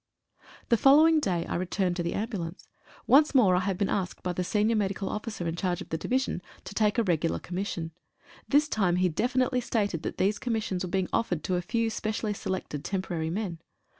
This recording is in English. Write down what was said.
The following day I returned to the ambulance. Once more I have been asked by the Senior Medical Officer in charge of the division to take a regular com mission. This time he definitely stated that these com missions were being offered to a few specially selected temporary men.